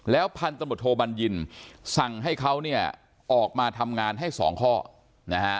แล้วพันธบทบันยินสั่งให้เขาเนี่ยออกมาทำงานให้สองข้อนะฮะ